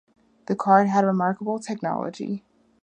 The car had remarkable technology.